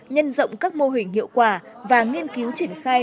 nhân rộng các mô hình hiệu quả và nghiên cứu triển khai